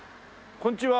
こんにちは！